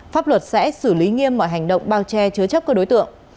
pháp luật sẽ xử lý nghiêm mọi hành động bao che chứa chấp các đối tượng